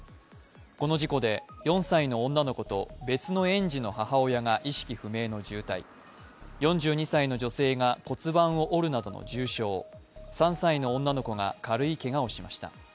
この事故で４歳の男の子と別の園児の母親が意識不明の重体４２歳の女性が骨盤を折るなどの重傷、３歳の女の子が軽いけがをしました。